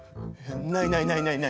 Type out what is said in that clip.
ないないないないない！